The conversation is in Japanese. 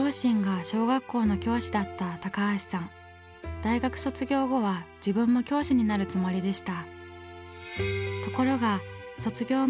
大学卒業後は自分も教師になるつもりでした。